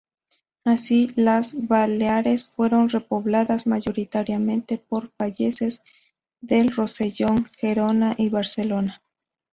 Así, las Baleares fueron repobladas mayoritariamente por payeses del Rosellón, Gerona y Barcelona.